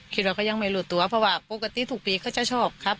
คิดว่าเขายังไม่รู้ตัวเพราะว่าปกติทุกปีเขาจะชอบครับ